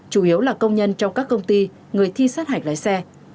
chủ yếu là công nhân trong các công ty người thi sát hạch lái xe